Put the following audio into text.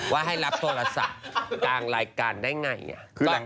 ให้รับโทรศัพท์กลางรายการได้ไง